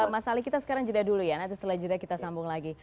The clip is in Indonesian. mas ali kita sekarang jeda dulu ya nanti setelah jeda kita sambung lagi